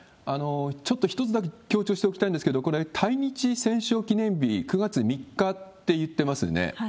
ちょっと１つだけ強調しておきたいんですけれども、これ、対日戦勝記念日、９月３日って言ってますよね。